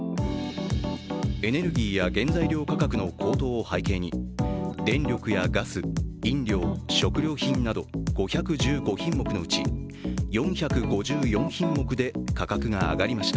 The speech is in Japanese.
エネルギーや原材料価格の高騰を背景に電力やガス、飲料、食料品など５１５品目のうち、４５４品目で価格が上がりました。